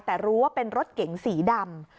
แต่รู้ว่าเป็นรถเก๋งสีดำ